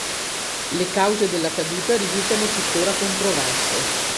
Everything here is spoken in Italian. Le cause della caduta risultano tuttora controverse.